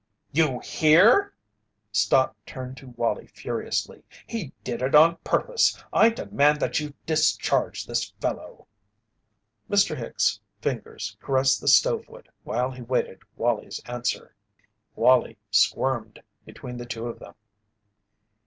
"You hear?" Stott turned to Wallie furiously. "He did it on purpose. I demand that you discharge this fellow!" Mr. Hicks' fingers caressed the stove wood while he waited Wallie's answer. Wallie squirmed between the two of them.